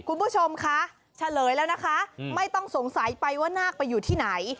คุณผู้ชมคะเฉลยแล้วนะคะไม่ต้องสงสัยไปว่านาคไปอยู่ที่ไหน